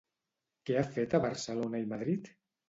Què ha fet a Barcelona i Madrid?